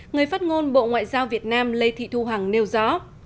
người phát ngôn bộ ngoại giao việt nam lê thị thu hằng nêu rõ